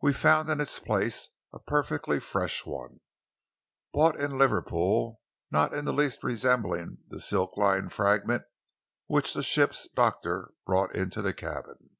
We found in its place a perfectly fresh one, bought in Liverpool, not in the least resembling the silk lined fragment which the ship's doctor brought into the cabin."